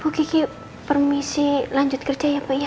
bu kiki permisi lanjut kerja ya pak ya